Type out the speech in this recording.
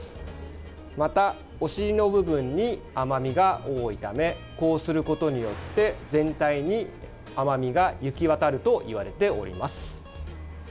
また、お尻の部分に甘みが多いためこうすることによって全体に甘みが行き渡るといわれております。